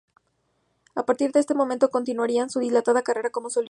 A partir de ese momento, continuaría su dilatada carrera como solista.